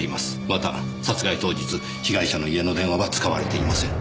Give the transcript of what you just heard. また殺害当日被害者の家の電話は使われていません。